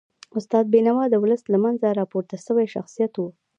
استاد بینوا د ولس له منځه راپورته سوی شخصیت و.